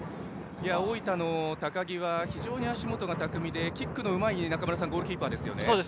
大分の高木は非常に足元が巧みで中村さん、キックのうまいゴールキーパーですね。